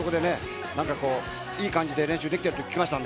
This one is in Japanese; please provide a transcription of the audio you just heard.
いい感じで練習ができていると聞きました。